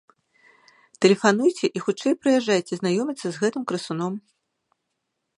Тэлефануйце і хутчэй прыязджайце знаёміцца з гэтым красуном!